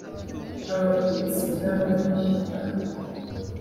abatutsi n’abatwa buharangwa